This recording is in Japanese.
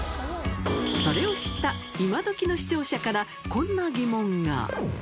それを知った今どきの視聴者から、こんな疑問が。